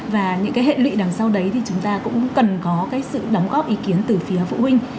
và những cái hệ lụy đằng sau đấy thì chúng ta cũng cần có cái sự đóng góp ý kiến từ phía phụ huynh